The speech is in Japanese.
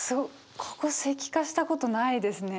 ここ石化したことないですね。